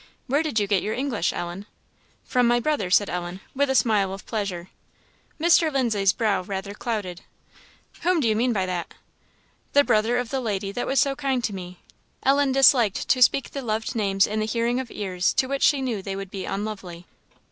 Where did you get your English, Ellen?" "From my brother," said Ellen, with a smile of pleasure. Mr. Lindsay's brow rather clouded. "Whom do you mean by that?" "The brother of the lady that was so kind to me." Ellen disliked to speak the loved names in the hearing of ears to which she knew they would be unlovely.